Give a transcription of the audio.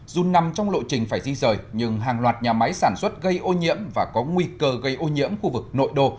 dù nằm trong lộ trình phải di rời nhưng hàng loạt nhà máy sản xuất gây ô nhiễm và có nguy cơ gây ô nhiễm khu vực nội đô